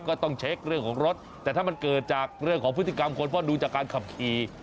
ก็ต้องเช็คเรื่องของรถแต่ถ้ามันเกิดจากเรื่องของพฤติกรรมคนเพราะดูจากการขับขี่